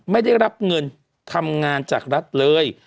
ไม่ได้รับเงินทำงานจากรัฐเลย